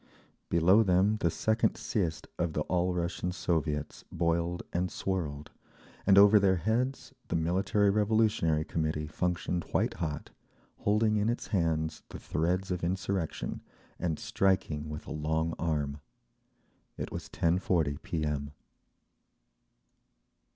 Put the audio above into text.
Below them the second siezd of the All Russian Soviets boiled and swirled, and over their heads the Military Revolutionary Committee functioned white hot, holding in its hands the threads of insurrection and striking with a long arm…. It was 10.40 P. M.